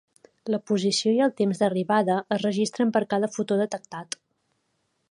La posició i el temps d'arribada es registren per a cada fotó detectat.